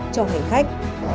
cho hành khách